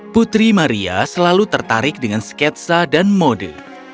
putri maria selalu tertarik dengan sketsa dan mode